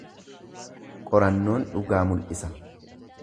Qorannoon dhugaa mul’isa.